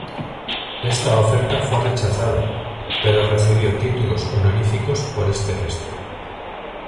Esta oferta fue rechazada, pero recibió títulos honoríficos por este gesto.